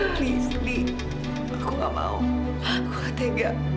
please di aku gak mau aku gak tega